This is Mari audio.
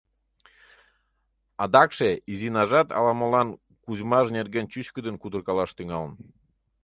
Адакше Изинажат ала-молан Кузьмаж нерген чӱчкыдын кутыркалаш тӱҥалын.